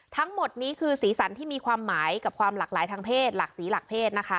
ทั้งหมดนี้คือสีสันที่มีความหมายกับความหลากหลายทางเพศหลักสีหลักเพศนะคะ